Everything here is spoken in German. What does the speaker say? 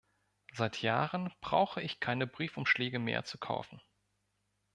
Seit Jahren brauche ich keine Briefumschläge mehr zu kaufen.